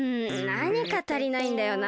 なにかたりないんだよな。